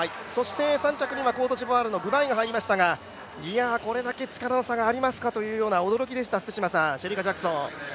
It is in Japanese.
３着にはコートジボワールの選手が入りましたがこれだけ力の差がありますかというような、驚きでした、シェリカ・ジャクソン。